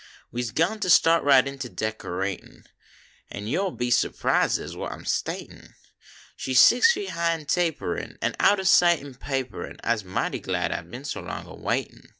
We s gwine ter start right in to decoratin , An yo will be surprised at what I m statin , She s six feet high en taperin , Kn out ob sight in paperin , Ise mighty glad Ise been so long a waitin